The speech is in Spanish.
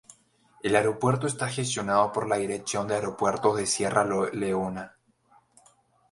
El aeropuerto está gestionado por la Dirección de Aeropuertos de Sierra Leona.